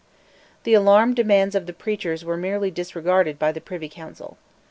The alarmed demands of the preachers were merely disregarded by the Privy Council.